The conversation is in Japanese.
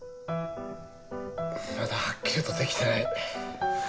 まだはっきりとできてない。